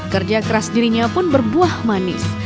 kerja keras dirinya pun berbuah manis